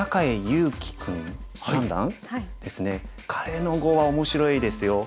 彼の碁は面白いですよ。